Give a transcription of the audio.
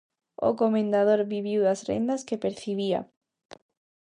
O comendador viviu das rendas que percibía.